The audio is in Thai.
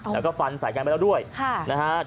แล้วก็ฟันใส่กันไปแล้วด้วยนะฮะ